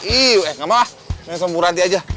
iya nggak masalah langsung ibu ranti aja